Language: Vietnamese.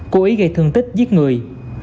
cố ý gây thương tích giết người